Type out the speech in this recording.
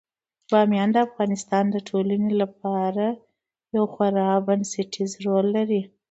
بامیان د افغانستان د ټولنې لپاره یو خورا بنسټيز رول لري.